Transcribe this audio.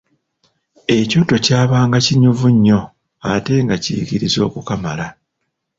Ekyoto kyabanga kinyuvu nnyo ate nga kiyigiriza okukamala !